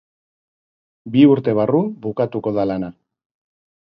Bi urte barru bukatuko da lana.